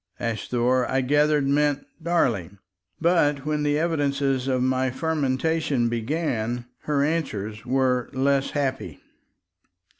"Asthore," I gathered, meant "darling." But when the evidences of my fermentation began, her answers were less happy.